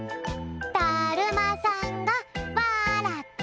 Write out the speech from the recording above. だるまさんがわらった！